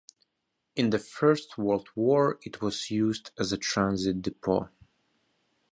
In First World War it was used as a transit depot.